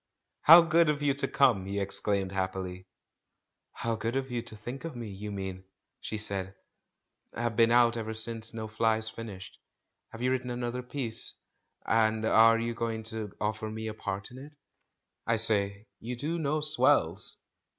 "How good of you to come!" he exclaimed happily. "How good of you to think of me, you mean!" she said — "I've been out ever since No Flies fin ished; have you written another piece, and are you going to offer me a good part in it? I say, you do know swells